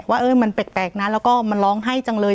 ว่ามันแปลกนะแล้วก็มันร้องไห้จังเลย